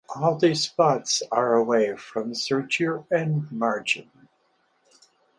All the spots are away from suture and margin.